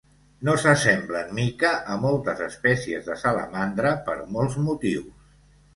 No s'assemblen mica a moltes espècies de salamandra per molts motius.